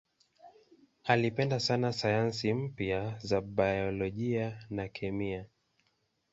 Alipenda sana sayansi mpya za biolojia na kemia.